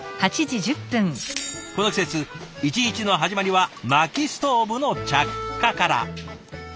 この季節一日の始まりはまきストーブの着火から。